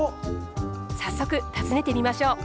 早速訪ねてみましょう！